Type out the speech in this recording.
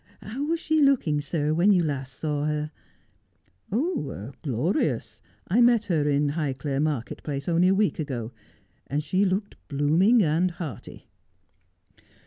How was she looking, sir, when you last saw her 1 '' Glorious. I met her in Highclere market place only a week ago, and she looked blooming and hearty.'